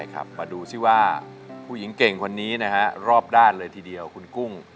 มาดูซิว่าผู้หญิงเก่งคนนี้รอบด้านเลยทีเดียวคุณกุ้ง